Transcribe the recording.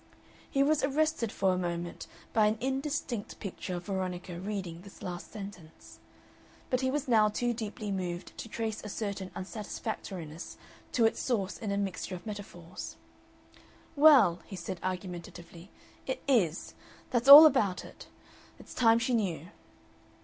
He was arrested for a moment by an indistinct picture of Veronica reading this last sentence. But he was now too deeply moved to trace a certain unsatisfactoriness to its source in a mixture of metaphors. "Well," he said, argumentatively, "it IS. That's all about it. It's time she knew."